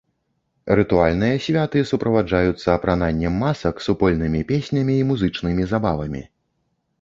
Рытуальныя святы суправаджаюцца апрананнем масак, супольнымі песнямі і музычнымі забавамі.